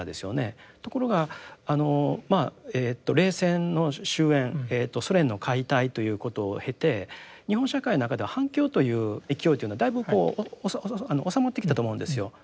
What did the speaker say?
ところがあの冷戦の終焉ソ連の解体ということを経て日本社会の中では反共という勢いというのはだいぶこう収まってきたと思うんですよ。